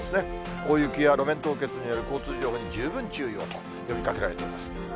大雪や路面凍結などによる交通事情に十分注意をと呼びかけられています。